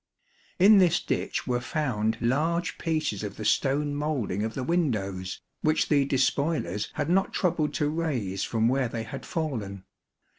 In this ditch were found large pieces of the stone moulding of the windows, which the despoilers had not troubled to raise from where they had fallen.